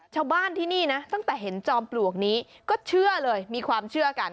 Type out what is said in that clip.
ชาวบ้านที่นี่นะตั้งแต่เห็นจอมปลวกนี้ก็เชื่อเลยมีความเชื่อกัน